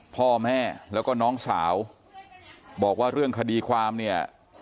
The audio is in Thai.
พ่อแม่แล้วก็น้องสาวบอกว่าเรื่องคดีความเนี่ย